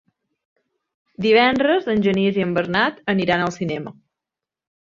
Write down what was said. Divendres en Genís i en Bernat aniran al cinema.